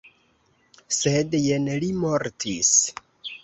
Sed jen li mortis.